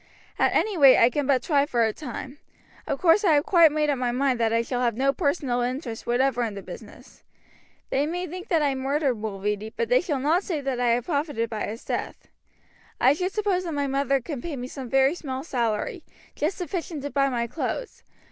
At any rate I can but try for a time. Of course I have quite made up my mind that I shall have no personal interest whatever in the business. They may think that I murdered Mulready, but they shall not say that I have profited by his death. I should suppose that my mother can pay me some very small salary, just sufficient to buy my clothes.